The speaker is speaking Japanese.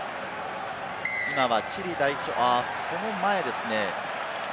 今はチリ代表、その前ですね。